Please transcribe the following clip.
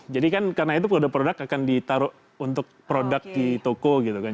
jadi kan karena itu kode produk akan ditaruh untuk produk di toko gitu kan